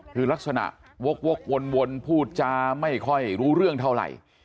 คือลักษณะวกวนพูดจาไม่ค่อยรู้เรื่องเท่าไหร่